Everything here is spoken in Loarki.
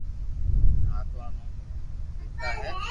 ھاتوا رو نوم ببتا ھي